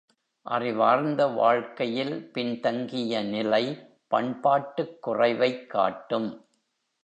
அறிவார்ந்த வாழ்க்கையில் பின்தங்கிய நிலை, பண்பாட்டுக் குறைவைக் காட்டும்.